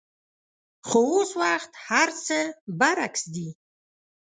خو اوس وخت هرڅه برعکس دي.